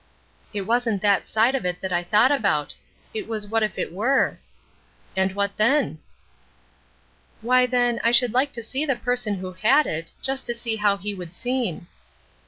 "It wasn't that side of it that I thought about. It was what if it were." "And what then?" "Why, then, I should like to see the person who had it, just to see how he would seem."